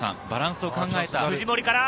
バランスを考えた。